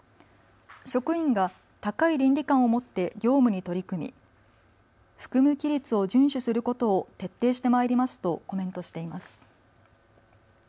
職員が高い倫理観を持って業務に取り組み服務規律を順守することを徹底してまいりますとコメントしています。